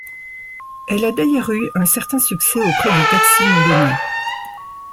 Elle a d'ailleurs eu un certain succès auprès des taxis londoniens.